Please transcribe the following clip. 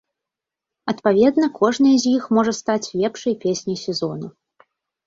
Адпаведна, кожная з іх можа стаць лепшай песняй сезону.